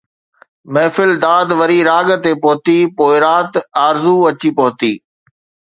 محفل داد وري راڳ تي پهتي، پوءِ رات آرزو اچي پهتي